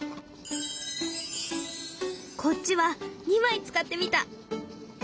こっちは２枚使ってみた。